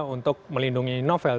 untuk melindungi novel